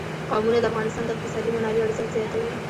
قومونه د افغانستان د اقتصادي منابعو ارزښت زیاتوي.